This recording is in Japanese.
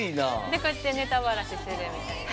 こうやってネタばらしするみたいな。